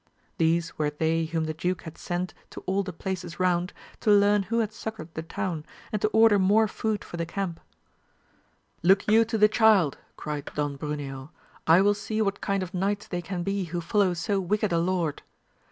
These were they whom the duke had sent i6 all the VOL. ni. "18 274 AMADIS OF GAUL. places round, to learn who had succoured the town^ and to order more food for the camp. Look you to the child, cried Don Bruneo, I will see what kind of knights they can be who follow so wicked a lord.